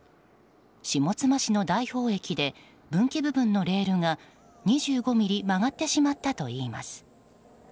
下妻市の大宝駅で分岐部分のレールが２５ｍｍ曲がってしまったといいます。